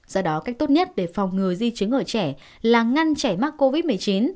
do đó cách tốt nhất để phòng ngừa di chứng ở trẻ là ngăn trẻ mắc covid một mươi chín